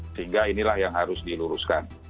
sehingga inilah yang harus diluruskan